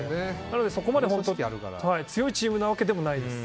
そこまで強いチームなわけでもないです。